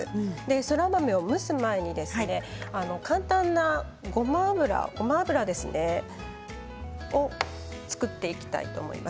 そら豆を蒸す前に簡単なごま油をですね作っていきたいと思います。